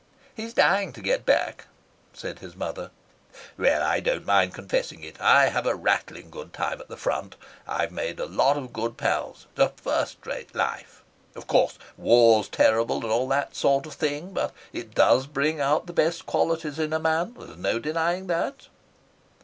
"He's dying to get back," said his mother. "Well, I don't mind confessing it, I have a rattling good time at the front. I've made a lot of good pals. It's a first rate life. Of course war's terrible, and all that sort of thing; but it does bring out the best qualities in a man, there's no denying that."